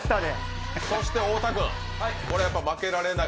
そして太田君、これは負けられない。